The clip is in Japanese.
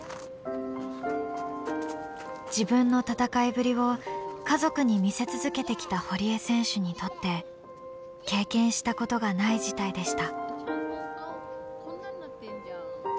自分の戦いぶりを家族に見せ続けてきた堀江選手にとって経験したことがない事態でした。